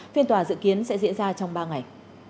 phiên tòa dự kiến sẽ diễn ra trong ba ngày